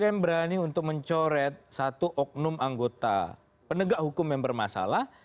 m berani untuk mencoret satu oknum anggota penegak hukum yang bermasalah